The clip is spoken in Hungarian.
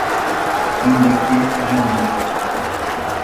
Mindenki rendi nevet kap.